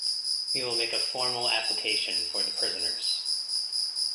We will make a formal application for the prisoners.